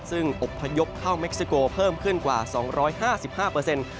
ซึ่งอบพยพเข้าเม็กซิโกเพิ่มขึ้นกว่า๒๕๕เปอร์เซ็นต์